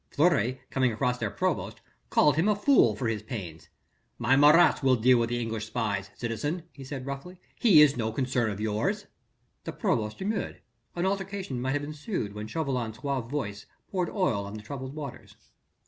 Fleury, coming across their provost, called him a fool for his pains. "My Marats will deal with the English spies, citizen," he said roughly, "he is no concern of yours." The provost demurred: an altercation might have ensued when Chauvelin's suave voice poured oil on the troubled waters.